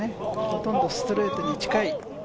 ほとんどストレートに近い。